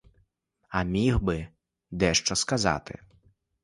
А міг би дещо сказати.